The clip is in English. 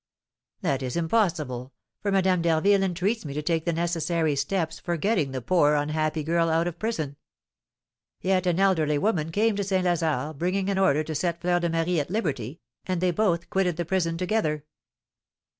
"That is impossible! for Madame d'Harville entreats me to take the necessary steps for getting the poor, unhappy girl out of prison." "Yet an elderly woman came to St. Lazare, bringing an order to set Fleur de Marie at liberty, and they both quitted the prison together."